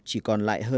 trong những năm trước